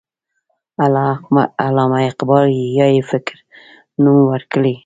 علامه اقبال احیای فکر نوم ورکړی.